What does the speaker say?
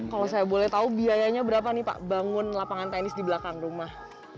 kalau saya boleh tahu biayanya berapa nih pak bangun lapangan tenis di belakang rumah